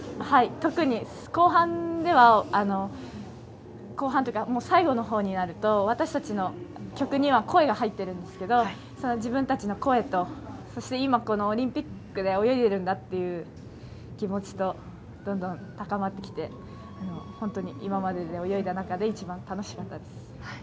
特に後半ではというか、最後のほうになると私達の曲には声が入ってるんですけれど、自分たちの声と、そして今このオリンピックで泳いでいるんだっていう気持ちと、どんどん高まってきて、本当に今まで泳いだ中で一番楽しかったです。